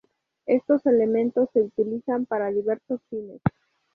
Estos elementos se utilizan para diversos fines.